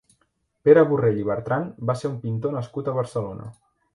Pere Borrell i Bertran va ser un pintor nascut a Barcelona.